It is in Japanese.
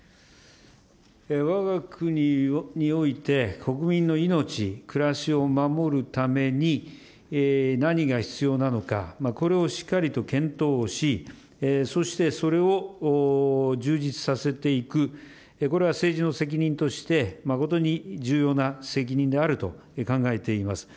わが国において国民の命、暮らしを守るために、何が必要なのか、これをしっかりと検討をし、そしてそれを充実させていく、これは政治の責任として、誠に重要な責任であると考えています。